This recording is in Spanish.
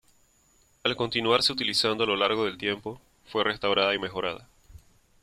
Al continuarse utilizando a lo largo del tiempo, fue restaurada y mejorada.